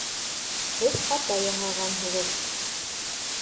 Һеҙ хата яһағанһығыҙ